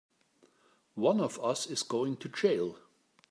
One of us is going to jail!